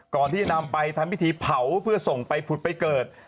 ก่อนที่จะนำไปทำพิธีเผาเพื่อส่งไปผุดไปเกิด